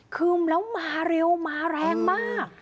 คือแล้วมาเร็วมาแรงมาก